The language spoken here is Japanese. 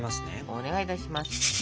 お願いいたします。